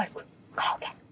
カラオケ？